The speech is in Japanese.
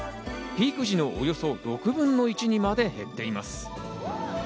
ピーク時のおよそ６分の１にまで減っています。